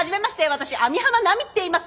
私網浜奈美っていいます。